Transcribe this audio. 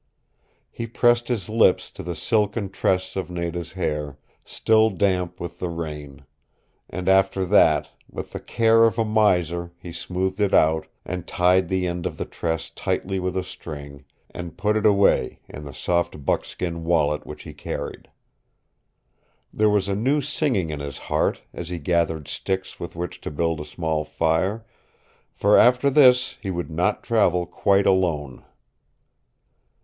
He pressed his lips to the silken tress of Nada's hair, still damp with the rain; and after that, with the care of a miser he smoothed it out, and tied the end of the tress tightly with a string, and put it away in the soft buckskin wallet which he carried. There was a new singing in his heart as he gathered sticks with which to build a small fire, for after this he would not travel quite alone.